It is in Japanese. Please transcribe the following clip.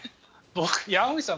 山口さん